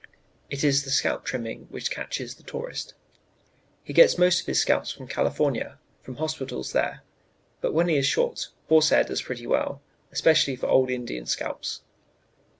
It is the scalp trimming which catches the tourist. He gets most of his scalps from California, from hospitals there; but when he is short, horse hair does pretty well, especially for old Indian scalps.